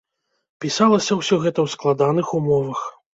Пісалася ўсё гэта ў складаных умовах.